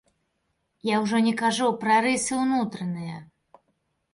Я ўжо не кажу пра рысы ўнутраныя.